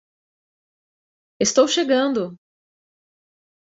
Estou chegando!